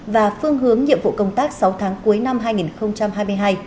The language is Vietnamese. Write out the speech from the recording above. và phương hướng nhiệm vụ công tác sáu tháng cuối năm hai nghìn hai mươi hai